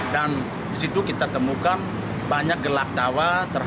dan di situ kita temukan banyak gelak tawa